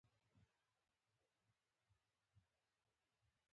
ستا د مېرمنې درملنه به وکړي.